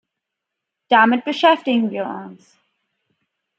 Damit beschäftigen wir uns.